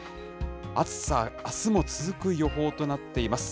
暑さ、あすも続く予報となっています。